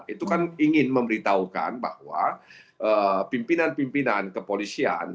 itu kan ingin memberitahukan bahwa pimpinan pimpinan kepolisian